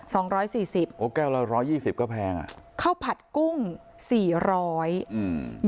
สองร้อยสี่สิบโอ้แก้วละร้อยยี่สิบก็แพงอ่ะข้าวผัดกุ้งสี่ร้อยอืม